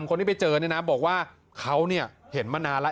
เป็นคนที่เจอเนี่ยนะเขาเห็นกว่านานแล้ว